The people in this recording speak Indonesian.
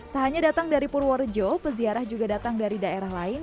tak hanya datang dari purworejo peziarah juga datang dari daerah lain